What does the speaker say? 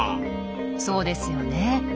そうですよね。